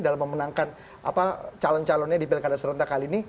dalam memenangkan calon calonnya di pilkada serentak kali ini